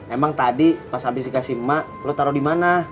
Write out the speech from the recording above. emang tadi pas abis dikasih emak lo taro dimana